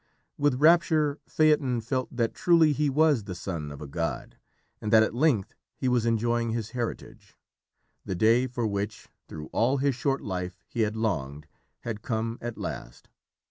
With rapture, Phaeton felt that truly he was the son of a god, and that at length he was enjoying his heritage. The day for which, through all his short life, he had longed, had come at last.